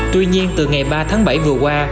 tuy nhiên từ ngày ba tháng bảy vừa qua